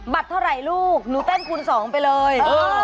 เท่าไหร่ลูกหนูเต้นคูณ๒ไปเลย